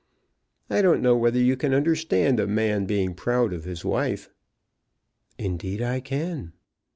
I don't know whether you can understand a man being proud of his wife." "Indeed I can."